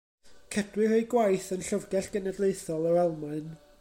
Cedwir ei gwaith yn Llyfrgell Genedlaethol yr Almaen.